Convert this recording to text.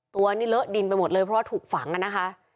ตัวนี้เลอะดินไปหมดเลยเพราะว่าถูกฝังอะนะคะ